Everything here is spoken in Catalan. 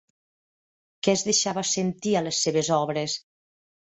Què es deixava sentir a les seves obres?